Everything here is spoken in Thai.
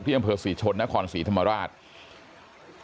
อำเภอศรีชนนครศรีธรรมราช